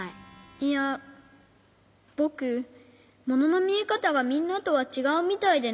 いやぼくもののみえかたがみんなとはちがうみたいでね。